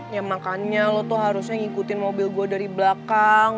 ya makannya lo tuh harusnya ngikutin mobil gue dari belakang